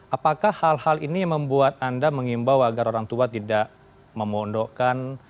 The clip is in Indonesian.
apakah hal hal ini membuat anda mengimbau agar orang tua tidak memondokan